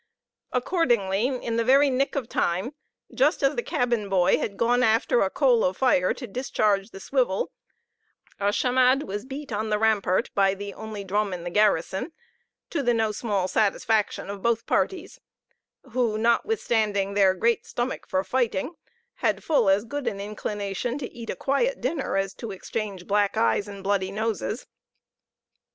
Accordingly, in the very nick of time, just as the cabin boy had gone after a coal of fire to discharge the swivel, a chamade was beat on the rampart by the only drum in the garrison, to the no small satisfaction of both parties; who, not withstanding their great stomach for fighting, had full as good an inclination to eat a quiet dinner as to exchange black eyes and bloody noses.